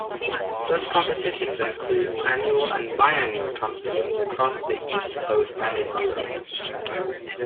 Such competitions include annual and biannual competitions across the East Coast and in Europe.